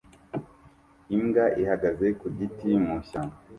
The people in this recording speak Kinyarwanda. Imbwa ihagaze ku giti mu ishyamba